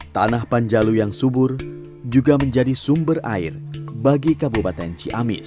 tanah panjalu yang subur juga menjadi sumber air bagi kabupaten ciamis